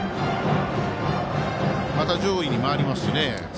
また上位に回りますしね。